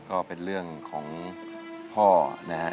ก็เป็นเรื่องของพ่อนะครับ